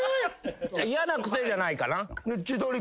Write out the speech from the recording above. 嫌なクセじゃないかな。